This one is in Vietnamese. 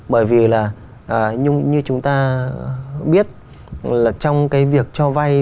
bởi vì là như chúng ta biết là trong cái việc cho vay